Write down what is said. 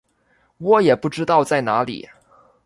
我也不知道在哪里